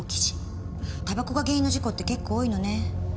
煙草が原因の事故って結構多いのね。